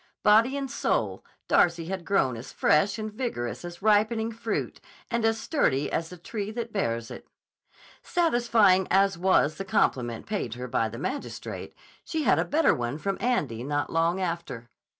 Body and soul, Darcy had grown as fresh and vigorous as ripening fruit and as sturdy as the tree that bears it. Satisfying as was the compliment paid her by the magistrate, she had a better one from Andy not long after.